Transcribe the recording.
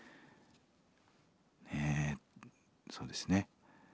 ねえそうですね。